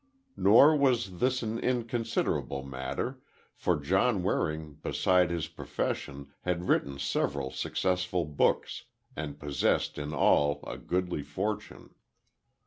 Nor was this an inconsiderable matter, for John Waring, beside his profession, had written several successful books, and possessed in all a goodly fortune.